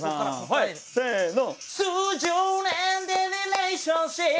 はいせの。